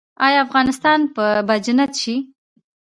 آیا افغانستان به جنت شي؟